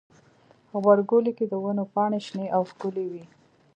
غبرګولی کې د ونو پاڼې شنې او ښکلي وي.